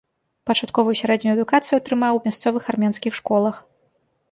Пачатковую і сярэднюю адукацыю атрымаў у мясцовых армянскіх школах.